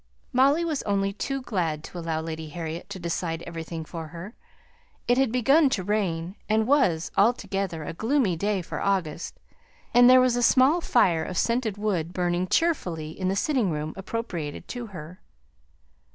Molly was only too glad to allow Lady Harriet to decide everything for her. It had begun to rain, and was altogether a gloomy day for August; and there was a small fire of scented wood burning cheerfully in the sitting room appropriated to her.